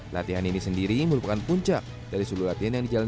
latihan ini sendiri merupakan puncak dari seluruh latihan yang dijalankan